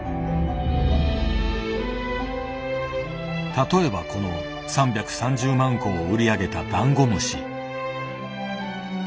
例えばこの３３０万個を売り上げた「だんごむし」。